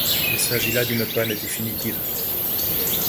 Il s'agit là d'une panne définitive.